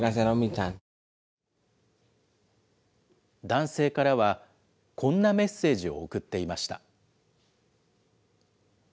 男性からは、こんなメッセージを送っていました。